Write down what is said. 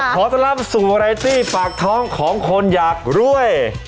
ขอตกรับสั่วไลที่ปากท้องของคนอยากรวย